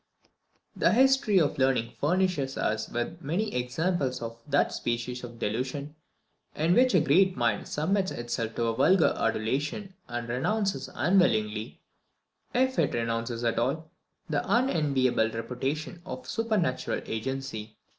The history of learning furnishes us with many examples of that species of delusion in which a great mind submits itself to vulgar adulation, and renounces unwillingly, if it renounces at all, the unenviable reputation of supernatural agency.